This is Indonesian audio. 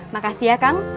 makasih ya kang